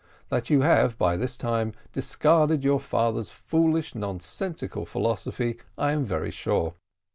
That you have by this time discarded your father's foolish, nonsensical philosophy, I am very sure.